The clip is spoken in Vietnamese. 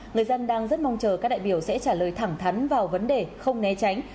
người dân đang rất mong chờ các đại biểu sẽ trả lời thẳng thắn vào vấn đề không né tránh